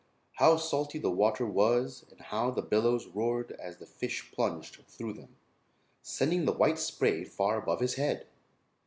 How salty the water was and how the billows roared as the fish plunged through them, sending the white spray far above his head!